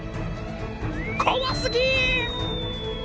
怖すぎ！